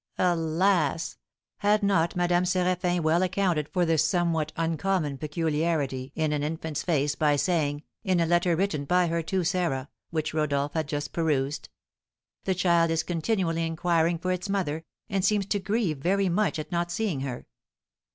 Alas! Had not Madame Séraphin well accounted for this somewhat uncommon peculiarity in an infant's face by saying, in a letter written by her to Sarah, which Rodolph had just perused, "The child is continually inquiring for its mother, and seems to grieve very much at not seeing her."